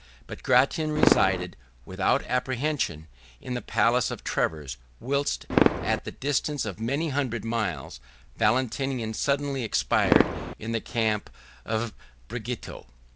But Gratian resided, without apprehension, in the palace of Treves; whilst, at the distance of many hundred miles, Valentinian suddenly expired in the camp of Bregetio.